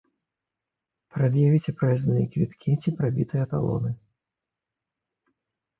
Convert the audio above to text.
Прад'явіце праязныя квіткі ці прабітыя талоны.